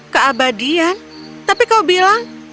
keabadian tapi kau bilang